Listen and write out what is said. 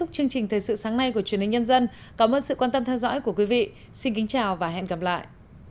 chương trình thời sự sáng nay của truyền hình nhân dân cảm ơn sự quan tâm theo dõi của quý vị xin kính chào và hẹn gặp lại